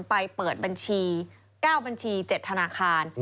ไปเปิดบัญชี๙บัญชี๗ธนาคาร